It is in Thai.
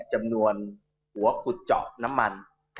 จำนวนหัวขุดเจาะน้ำมัน